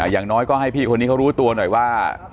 อย่างน้อยก็ให้พี่คนนี้เขารู้ตัวหน่อยว่า